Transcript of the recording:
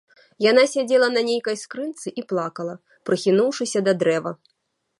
Яна сядзела на нейкай скрынцы і плакала, прыхінуўшыся да дрэва.